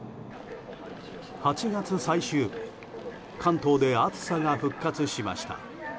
８月最終日関東で暑さが復活しました。